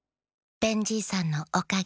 ベンじいさんのおかげ。